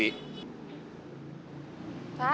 bi awakened bekerja